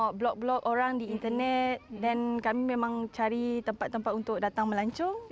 kita blok blog orang di internet dan kami memang cari tempat tempat untuk datang melancong